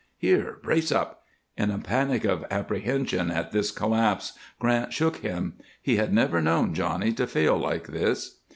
"Here! Brace up!" In a panic of apprehension at this collapse Grant shook him; he had never known Johnny to fail like this.